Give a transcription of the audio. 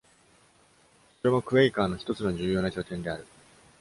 それも Quaker の一つの重要な拠点である。